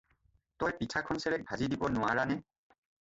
তই পিঠা খনচেৰেক ভাজি দিব নোৱাৰানে?